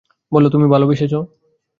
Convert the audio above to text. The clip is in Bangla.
বলো, তুমি ভালোবেসেছ।